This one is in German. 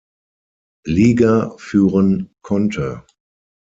Liga“ führen konnte.